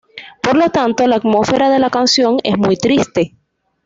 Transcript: Por lo tanto, la atmósfera de la canción es muy triste.